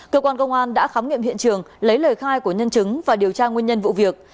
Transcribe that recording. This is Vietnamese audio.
cơ quan công an đã khám nghiệm hiện trường lấy lời khai của nhân chứng và điều tra nguyên nhân vụ việc